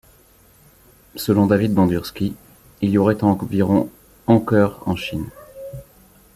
Selon David Bandurski, il y aurait environ honkers en Chine.